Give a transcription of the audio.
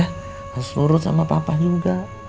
harus nurut sama papa juga